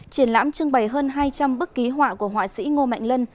triển lãm trưng bày hơn hai trăm linh bức ký họa của họa sĩ ngô mạnh lân